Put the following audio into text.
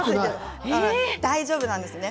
大丈夫なんですね。